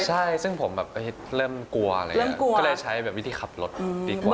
ใช่ซึ่งผมแบบเริ่มกลัวอะไรอย่างนี้ก็เลยใช้แบบวิธีขับรถดีกว่า